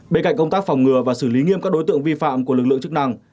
bên cạnh công tác phòng ngừa và xử lý nghiêm các đối tượng vi phạm của lực lượng chức năng